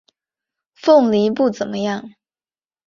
凤梨不怎么样